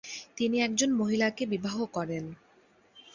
তিনি একজন মহিলাকে বিবাহ করেন।